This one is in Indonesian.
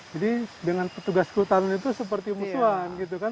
jadi dengan petugas hutan itu seperti musuhan gitu kan